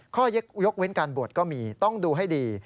ข้อยกเว้นการบวชก็มีต้องดูให้ดี